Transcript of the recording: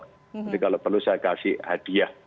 jadi kalau perlu saya kasih hadiah